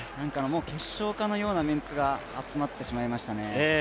決勝かのようなメンツが集まってしまいましたね。